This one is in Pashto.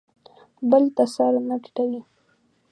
بل ته سر نه ټیټوي.